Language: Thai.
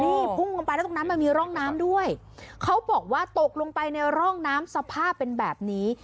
นี่พุ่งลงไปแล้วตรงนั้นมันมีร่องน้ำด้วยเขาบอกว่าตกลงไปในร่องน้ำสภาพเป็นแบบนี้